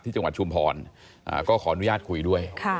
จังหวัดชุมพรก็ขออนุญาตคุยด้วย